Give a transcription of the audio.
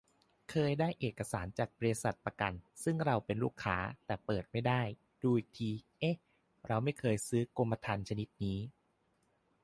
เคยได้เอกสารจากบ.ประกันซึ่งเราเป็นลูกค้า แต่เปิดไม่ได้ ดูอีกที เอ๊ะ เราไม่เคยซื้อกรมธรรม์ชนิดนี้